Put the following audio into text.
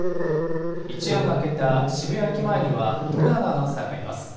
一夜が明けた渋谷駅前には、徳永アナウンサーがいます。